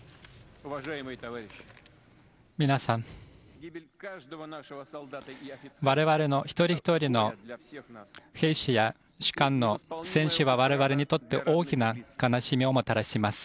皆さん、我々の一人ひとりの兵士や戦士は我々にとって大きな悲しみをもたらします。